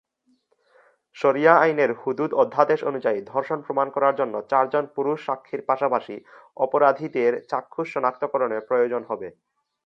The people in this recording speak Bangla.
শরিয়াহ আইনের হুদুদ অধ্যাদেশ অনুযায়ী, ধর্ষণ প্রমাণ করার জন্য চারজন পুরুষ সাক্ষীর পাশাপাশি অপরাধীদের চাক্ষুষ সনাক্তকরণের প্রয়োজন হবে।